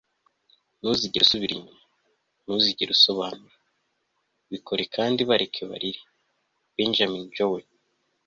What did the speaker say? ntuzigere usubira inyuma. ntuzigere usobanura. bikore kandi bareke barire. - benjamin jowett